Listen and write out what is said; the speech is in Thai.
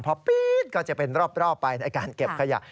พอปี๊ดก็จะเป็นรอบไปในการเก็บขยะ